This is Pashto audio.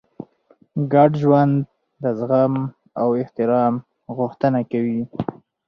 ګډ ژوند د زغم او احترام غوښتنه کوي.